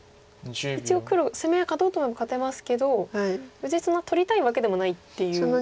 一応黒攻め合い勝とうと思えば勝てますけど別にそんなに取りたいわけでもないっていう。